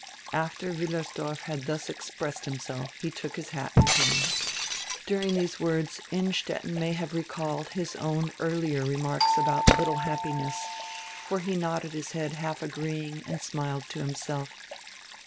'" After Wullersdorf had dius expressed himself he took his hat and cane. During diese words Innstetten may have recalled his own earlier remarks about littie happiness, for he nodded his head half agreeing, and smiled to himself.